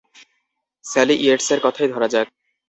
Sally ইয়েটসের কথাই ধরা যাক।